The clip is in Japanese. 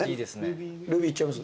ルービーいっちゃいます？